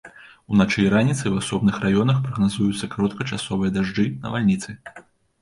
Уначы і раніцай у асобных раёнах прагназуюцца кароткачасовыя дажджы, навальніцы.